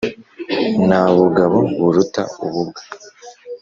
Nta bugabo buruta ububwa.